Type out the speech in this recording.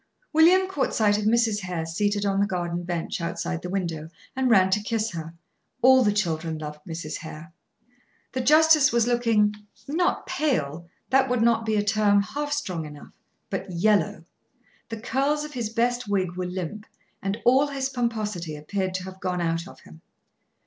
William caught sight of Mrs. Hare seated on the garden bench, outside the window, and ran to kiss her. All the children loved Mrs. Hare. The justice was looking not pale; that would not be a term half strong enough: but yellow. The curls of his best wig were limp, and all his pomposity appeared to have gone out of him.